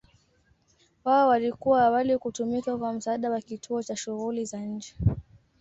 Wao walikuwa awali kutumika kwa msaada wa kituo cha shughuli za nje.